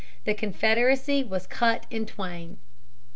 The Confederacy was cut in twain.